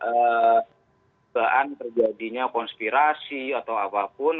dugaan terjadinya konspirasi atau apapun